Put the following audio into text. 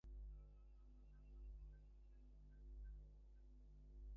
মানব-মনকে গতিশীল করিবার জন্য ধর্ম একটি শ্রেষ্ঠ নিয়ামক শক্তি।